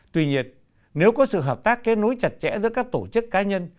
tuy nhiên nếu có sự hợp tác kết nối chặt chẽ giữa các tổ chức cá nhân